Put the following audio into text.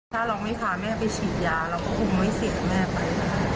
ถ้าเราไม่พาแม่ไปฉีดยาเราก็คงไม่เสียแม่ไป